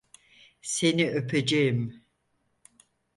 Seni öpeceğim.